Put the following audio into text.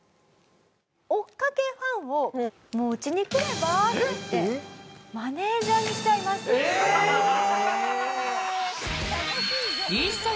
追っかけファンをうちに来ればと言ってマネジャーにしちゃいました。